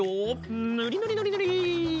んぬりぬりぬりぬり。